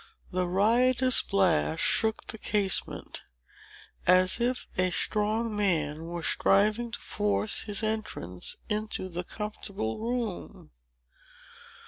The riotous blast shook the casement, as if a strong man were striving to force his entrance into the comfortable room.